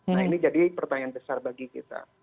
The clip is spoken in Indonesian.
nah ini jadi pertanyaan besar bagi kita